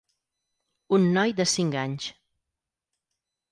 Un noi de cinc anys.